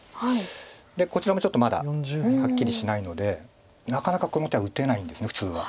でこちらもちょっとまだはっきりしないのでなかなかこの手は打てないんです普通は。